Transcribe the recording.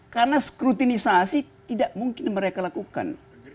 karena skrutinisasi tidak mungkin mereka lakukan